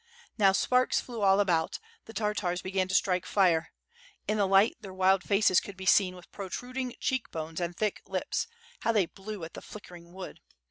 Now sparks flew all about, the Tartars began to strike fire. In the light their wild faces could b$ seen, with protruding cheek bones and thick lips; how they blew at the flickering wood!